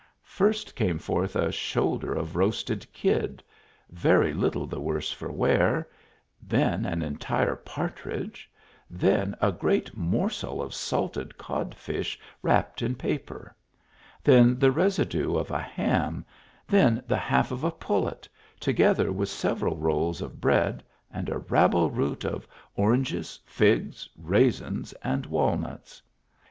First came forth a shoulder of roasted kid, very little the worse for wear, then an entire par tridge, then a great morsel of salted codfish wrapped in paper, then the residue of a ham, then the half of a pullet, together with several rolls of bn^acl and a rabble route of oranges, figs, raisins, and walnuts.